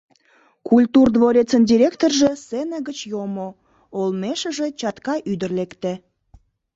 Культур дворецын директоржо сцене гыч йомо, олмешыже чатка ӱдыр лекте.